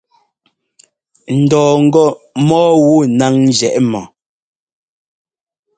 N dɔɔ ŋgɔ mɔ́ɔ wu náŋ njɛ́ʼ mɔ.